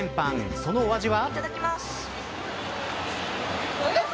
そのお味は。